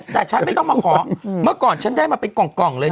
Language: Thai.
แต่ฉันไม่ต้องมาขอเมื่อก่อนฉันได้มาเป็นกล่องเลย